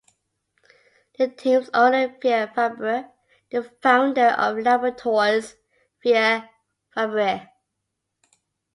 The team's owner, Pierre Fabre, the founder of Laboratoires Pierre Fabre.